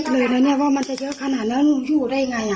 ก็ไม่คิดเลยเนี่ยว่ามันจะยอดขนาดนั้นแล้วนี่ชู้ได้ไงอ่ะ